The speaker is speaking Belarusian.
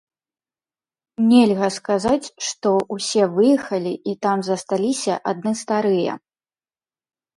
Нельга сказаць, што ўсе выехалі і там засталіся адны старыя.